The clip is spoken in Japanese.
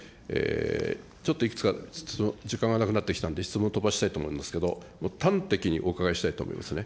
ちょっといくつか時間がなくなってきたんで、質問飛ばしたいと思いますけど、端的にお伺いしたいと思いますね。